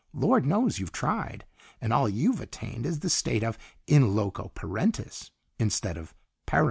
Lord knows you've tried, and all you've attained is the state of in loco parentis instead of parens."